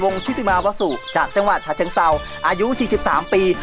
วันนี้พร้อมแล้วที่จะไปขึ้นเวทีร้องได้ให้ร้านครับ